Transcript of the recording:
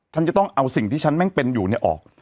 ฉันจะต้องเอาสิ่งที่ฉันแม่งเป็นอยู่เนี่ยออก